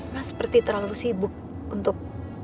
nah seperti terlalu sibuk untuk